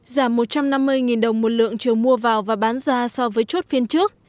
giảm một trăm năm mươi đồng một lượng chiều mua vào và bán ra so với chốt phiên trước